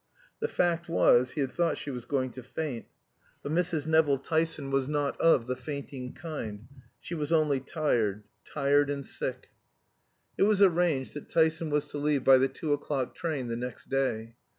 The fact was, he had thought she was going to faint. But Mrs. Nevill Tyson was not of the fainting kind; she was only tired, tired and sick. It was arranged that Tyson was to leave by the two o'clock train the next day.